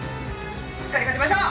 しっかり勝ちましょう！